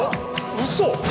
ウソ